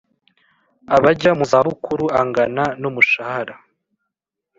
Abajya mu zabukuru angana n umushahara